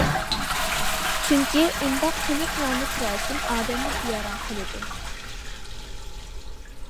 چۈنكى ئۇنداق قېنىق رەڭلىك رەسىم ئادەمنى بىئارام قىلىدۇ.